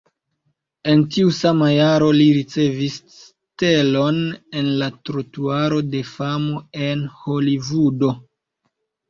En tiu sama jaro li ricevis stelon en la Trotuaro de famo en Holivudo.